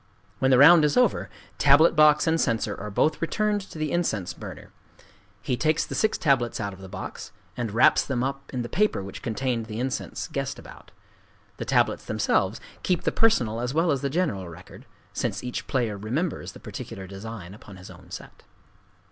When the round is over, tablet box and censer are both returned to the incense burner. He takes the six tablets out of the box, and wraps them up in the paper which contained the incense guessed about. The tablets themselves keep the personal as well as the general record,—since each player remembers the particular design upon his own set.